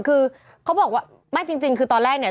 คือเขาบอกว่าไม่จริงคือตอนแรกเนี่ย